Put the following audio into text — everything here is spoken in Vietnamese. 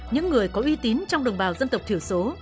những người có uy tín trong đồng bào dân tộc thiểu số